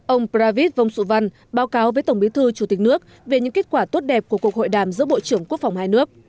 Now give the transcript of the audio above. ông pravit vong su van báo cáo với tổng bí thư chủ tịch nước về những kết quả tốt đẹp của cuộc hội đàm giữa bộ trưởng quốc phòng hai nước